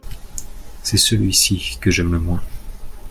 C’est celui-ci que j’aime le moins.